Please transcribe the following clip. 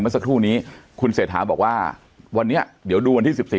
แล้วสักทุ่นนี้คุณเศรษฐาบอกว่าวันนี้เดี๋ยวดูวันที่สิบสี่